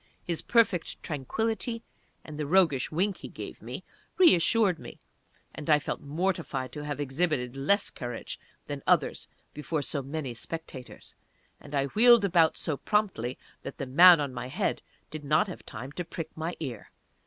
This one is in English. His perfect tranquility, and the roguish wink that he gave me, reassured me, and I felt mortified to have exhibited less courage than others before so many spectators, and I wheeled about so promptly that the man on my head did not have time to prick my ear.